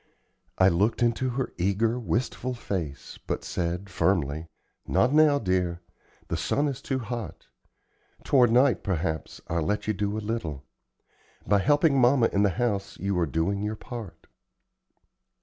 I looked into her eager, wistful face, but said, firmly: "Not now, dear. The sun is too hot. Toward night, perhaps, I'll let you do a little. By helping mamma in the house you are doing your part."